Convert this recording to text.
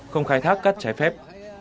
không khai thác cát trái phép